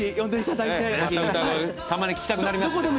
たまに聴きたくなりますんで。